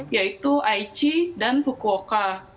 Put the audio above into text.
yaitu aichi dan fukuoka